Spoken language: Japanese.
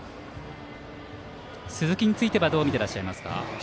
鈴木についてはどう見ていらっしゃいますか。